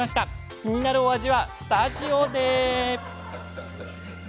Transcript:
気になるお味はスタジオで。